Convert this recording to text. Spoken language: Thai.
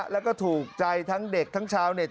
แล้วก็ถูกใจทั้งเด็กทั้งชาวเน็ต